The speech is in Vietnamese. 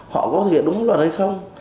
họ có thực hiện đúng pháp luật hay không